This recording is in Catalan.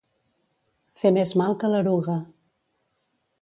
Fer més mal que l'eruga.